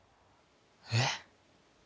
えっ？